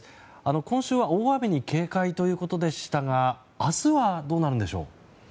今週は大雨に警戒ということでしたが明日はどうなるんでしょう。